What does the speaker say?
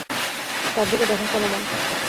চারদিকে দেখো সলোমন।